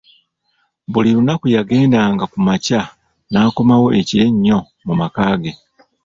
Buli lunaku yagenda nga kumakya n'akomawo ekiro ennyo mu maka ge.